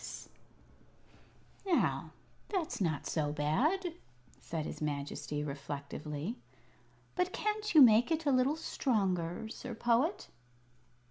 "Now, that's not so bad," said his Majesty, reflectively. "But can't you make it a little stronger, Sir Poet?"